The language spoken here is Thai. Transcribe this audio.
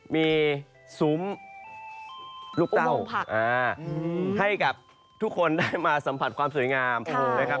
มีซุ้มลูกเต้าผักให้กับทุกคนได้มาสัมผัสความสวยงามนะครับ